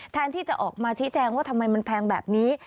แทนที่จะออกมาชี้แจงว่าทำไมมันแพงแบบนี้